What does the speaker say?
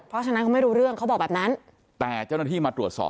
เพราะฉะนั้นเขาไม่รู้เรื่องเขาบอกแบบนั้นแต่เจ้าหน้าที่มาตรวจสอบ